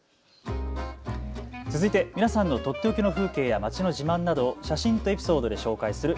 続いて皆さんのとっておきの風景や街の自慢などを写真とエピソードで紹介する＃